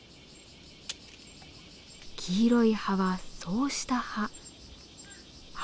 黄色い葉はそうした葉。